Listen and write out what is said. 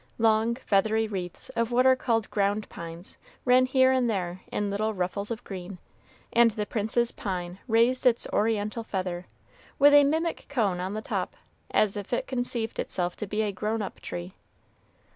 Long, feathery wreaths of what are called ground pines ran here and there in little ruffles of green, and the prince's pine raised its oriental feather, with a mimic cone on the top, as if it conceived itself to be a grown up tree.